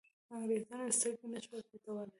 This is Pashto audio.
انګرېزانو سترګې نه شوای پټولای.